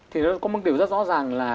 thì nó có một điều rất rõ ràng là